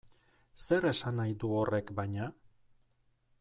Zer esan nahi du horrek baina?